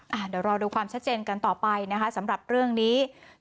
เดี๋ยวรอดูความชัดเจนกันต่อไปนะคะสำหรับเรื่องนี้